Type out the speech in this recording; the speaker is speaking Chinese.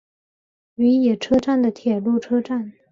与野车站的铁路车站。